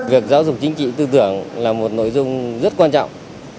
việc giáo dục chính trị tư tưởng là một nội dung rất quan trọng